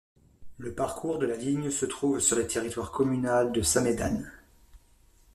Le parcours de la ligne se trouve sur le territoire communal de Samedan.